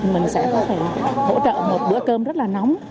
mình sẽ có thể hỗ trợ một bữa cơm rất là nóng